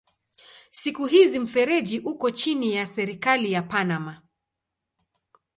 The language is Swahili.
Siku hizi mfereji uko chini ya serikali ya Panama.